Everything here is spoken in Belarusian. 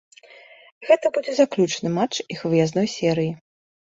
Гэта будзе заключны матч іх выязной серыі.